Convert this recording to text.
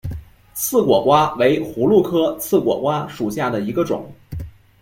刺果瓜为葫芦科刺果瓜属下的一个种。